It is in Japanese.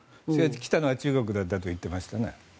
来たのは中国だったと言ってましたね。